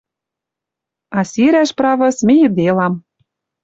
А сирӓш... право, смейӹделам.